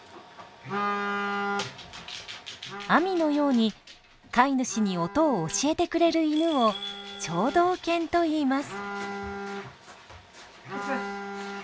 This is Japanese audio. あみのように飼い主に音を教えてくれる犬を聴導犬といいます。